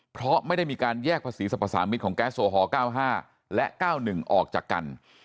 เพราะไม่ได้มีการแยกภาษีสรรพสามิตรของแก๊สโอฮอล๙๕และ๙๑ออกจากกัน